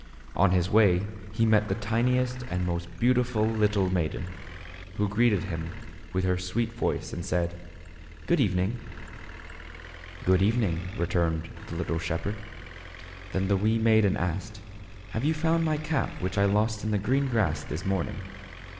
On his way he met the tiniest and most beautiful little maiden, who greeted him with her sweet voice and said, " Good evening !"" Good evening," returned the little shepherd. Then the wee maiden asked, " Have you found my cap which I lost in the green grass this morning